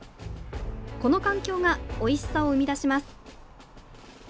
この環境がおいしさを生み出します。